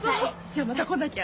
じゃあまた来なきゃ。